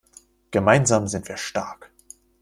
Gemeinsam sind wir stark.